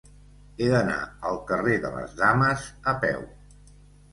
He d'anar al carrer de les Dames a peu.